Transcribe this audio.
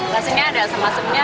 rasanya ada semuanya